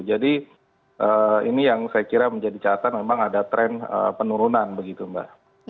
jadi ini yang saya kira menjadi catan memang ada tren penurunan begitu mbak